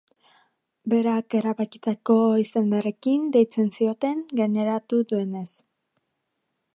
Berak erabakitako izenarekin deitzen zioten, gaineratu duenez.